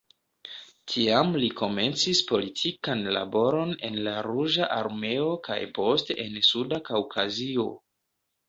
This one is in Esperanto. Tiam li komencis politikan laboron en la Ruĝa Armeo kaj poste en Suda Kaŭkazio.